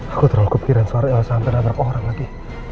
aku terlalu kepikiran suara yang sampai mendadak orang lagi